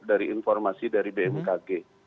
dari informasi dari bmkg